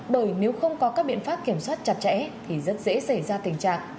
bởi nếu không có các biện pháp kiểm soát chặt chẽ thì rất dễ xảy ra tình trạng